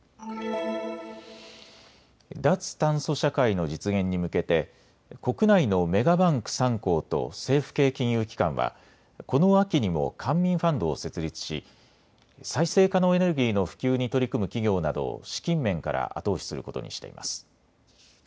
脱炭素社会の実現に向けて国内のメガバンク３行と政府系金融機関は、この秋にも官民ファンドを設立し再生可能エネルギーの普及に取り組む企業などを資金面から後押しすることにしています。